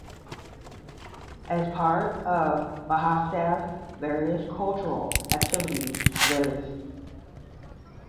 As part of Mahotsav various cultural activities viz.